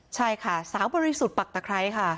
ใช่ค่ะสาวบริสุทธิ์ปักตะไคร้ค่ะ